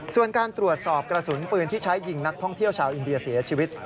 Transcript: ส่วนการตรวจสอบกระสุนปืนที่ใช้ยิงนักท่องเที่ยวชาวอินเดียเสียชีวิต